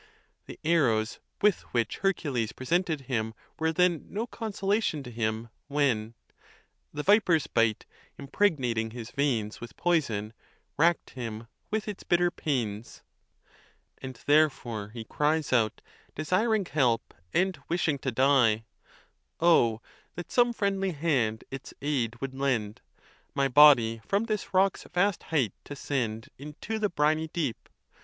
The arrows with which Hercules presented him were then no consolation to him, when se The viper's bite, impregnating his veins With poison, rack'd him with its bitter pains. And therefore he cries out, desiring help, and wishing to die, Oh that some friendly hand its aid would lend, My body from this rock's vast height to send Into the briny deep!